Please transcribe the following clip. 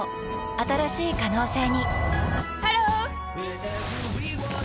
新しい可能性にハロー！